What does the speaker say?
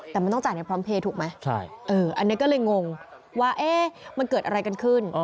แต่มันต้องจ่ายในพร้อมเพลย์ถูกไหมอันนี้ก็เลยงงว่ามันเกิดอะไรกันขึ้น